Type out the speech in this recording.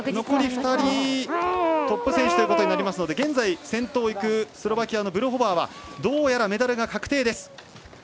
残り２人トップ選手ということになりますので現在、先頭をいくスロバキアのブルホバーはどうやらメダルが確定です。